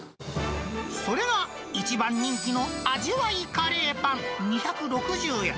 それが一番人気の味わいカレーパン２６０円。